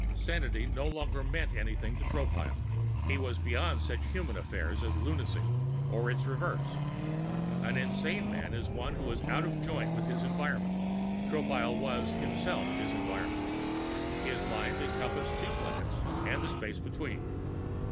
Sanity no longer meant anything to Tropile. He was beyond such human affairs as lunacy or its reverse. An insane man is one who is out of joint with his environment. Tropile was himself his environment. His mind encompassed two planets and the space between.